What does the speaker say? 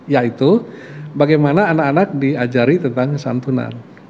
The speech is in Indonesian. yaitu bagaimana anak anak diajari tentang santunan